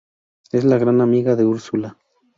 Es la gran amiga de Úrsula.